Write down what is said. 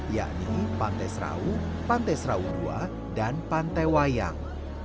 yakni pantai serau pantai serau ii dan pantai wayang